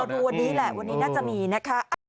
เดี๋ยวเราดูวันนี้แหละวันนี้น่าจะมีนะคะ